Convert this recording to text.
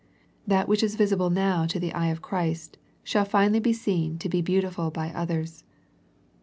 That which is visible now to the eye of Christ shall finally be seen to be beautiful by others.